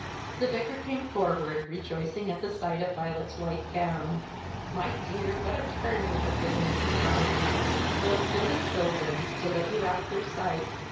The Vicar came forward, rejoicing at sight of Violet's white gown. "My dear, what a turn you have given us!" he cried; "those silly children, to let you out of their sight!